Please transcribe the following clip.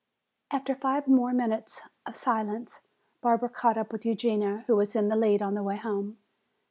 After five minutes more of silence Barbara caught up with Eugenia, who was in the lead on the way home.